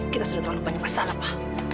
kita sudah terlalu banyak masalah pak